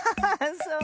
そう？